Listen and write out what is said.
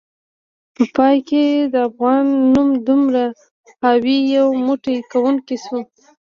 په پای کې د افغان نوم دومره حاوي، یو موټی کونکی شو